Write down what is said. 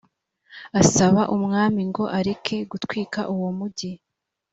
asaba umwami ngo areke gutwika uwo mujyi